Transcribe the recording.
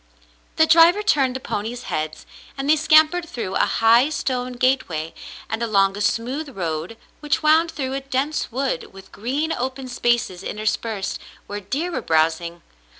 The driver turned the ponies' heads, and they scampered through a high stone gateway and along a smooth road which wound through a dense wood, with green open spaces interspersed, where deer were browsing.